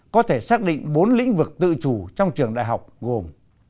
có thể xác định bốn lĩnh vực tự chủ trong trường đại học gồm